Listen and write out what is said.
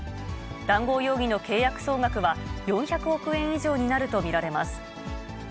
談合容疑の契約総額は、４００億円以上になると見られます。